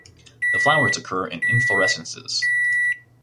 The flowers occur in inflorescences.